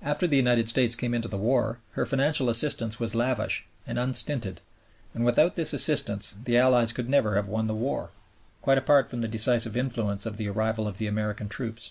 After the United States came into the war her financial assistance was lavish and unstinted, and without this assistance the Allies could never have won the war, quite apart from the decisive influence of the arrival of the American troops.